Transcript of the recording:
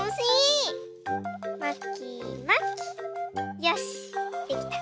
よしできた！